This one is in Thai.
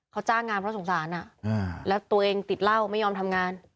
เขาจ้างงานเพราะสงสารแล้วตัวเองติดเหล้าไม่ยอมทำงาน